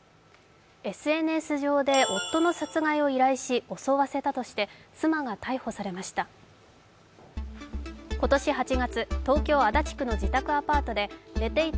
ＳＮＳ上で夫の殺害を依頼し、襲わせたとして妻が逮捕されました。